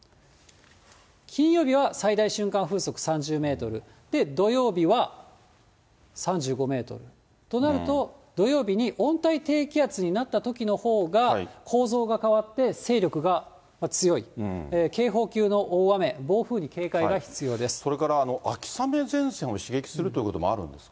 金曜日は最大瞬間風速３０メートル、土曜日は３５メートル、となると、土曜日に温帯低気圧になったときのほうが構造が変わって勢力が強い、警報級の大雨、それから、秋雨前線を刺激するということもあるんですか。